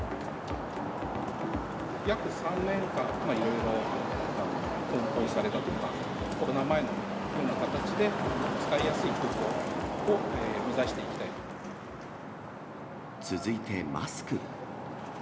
約３年間、いろいろ翻弄されたというか、コロナ前のような形で、使いやす続いてマスク。